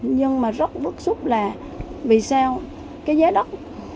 nhưng mà rất bức xúc là vì sao cái giá đắt